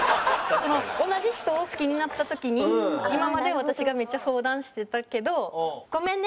同じ人を好きになった時に今まで私がめっちゃ相談してたけど「ごめんね。